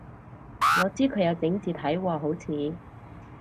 我知佢有整字體喎好似